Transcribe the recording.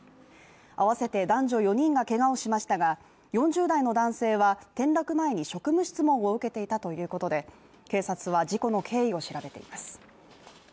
合わせて男女４人がけがをしましたが、４０代の男性は転落前に職務質問を受けていたということで、警察は事故の経緯を調べています。